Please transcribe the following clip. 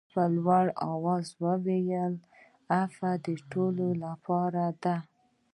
ده په لوړ آواز وویل عفوه د ټولو لپاره ده.